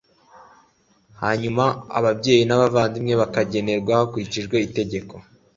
hanyuma ababyeyi n'abavandimwe bakagenerwa hakurikijwe itegeko